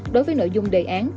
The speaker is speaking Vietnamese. đối với nội dung đề án